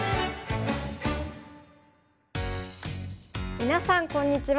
みなさんこんにちは。